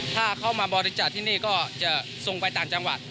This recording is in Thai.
ถ้าเข้ามาบริจาคที่นี่ก็จะส่งไปต่างจังหวัด